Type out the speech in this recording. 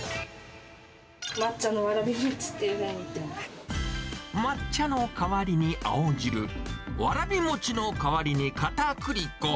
抹茶のわらび餅って言ってま抹茶の代わりに青汁、わらび餅の代わりにかたくり粉。